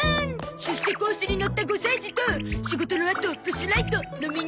出世コースにのった５歳児と仕事のあとプスライト飲みに行かない？